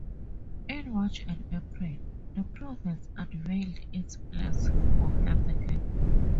In March and April, the province unveiled its plans for healthcare.